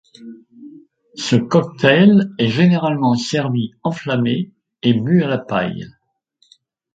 Ce cocktail est généralement servi enflammé et bu à la paille.